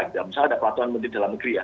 misalnya ada peraturan menteri dalam negeri ya